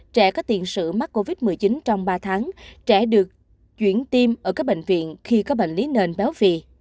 trẻ có tiền sử mắc covid một mươi chín trong ba tháng trẻ được chuyển tiêm ở các bệnh viện khi có bệnh lý nền béo phì